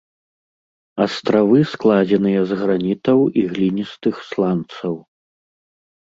Астравы складзеныя з гранітаў і гліністых сланцаў.